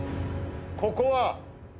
ここは。